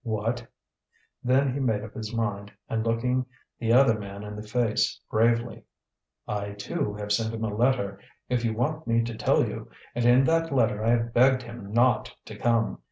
"What!" Then he made up his mind, and looking the other man in the face bravely: "I, too, have sent him a letter, if you want me to tell you; and in that letter I have begged him not to come.